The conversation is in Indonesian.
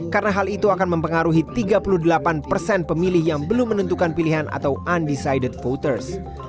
karena hal itu akan mempengaruhi tiga puluh delapan persen pemilih yang belum menentukan pilihan atau undecided voters